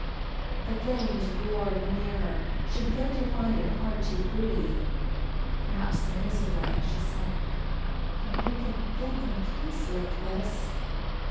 The flames roared nearer, she began to find it hard to breathe. "Perhaps there is a way," she said, "but who can think in a case like this?"